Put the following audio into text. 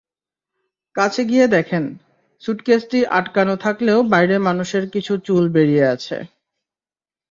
কাছে গিয়ে দেখেন, সুটকেসটি আটকানো থাকলেও বাইরে মানুষের কিছু চুল বেরিয়ে আছে।